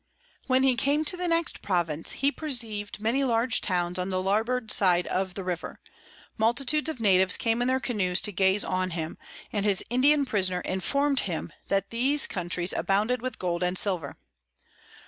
When he came to the next Province, he perceiv'd many large Towns on the Larboard side of the River: Multitudes of Natives came in their Canoes to gaze on him, and his Indian Prisoner inform'd him that these Countries abounded with Gold and Silver.